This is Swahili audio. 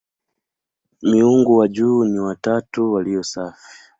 Miungu wa juu ni "watatu walio safi".